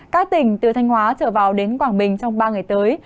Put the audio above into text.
các tỉnh từ thanh hóa trở vào đến quảng bình trong ba ngày tới